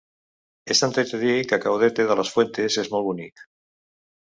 He sentit a dir que Caudete de las Fuentes és molt bonic.